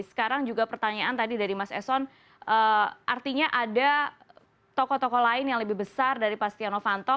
sekarang juga pertanyaan tadi dari mas eson artinya ada tokoh tokoh lain yang lebih besar dari pak setia novanto